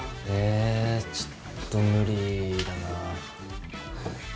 えちょっと無理だな。